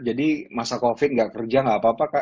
jadi masa covid gak kerja gak apa apa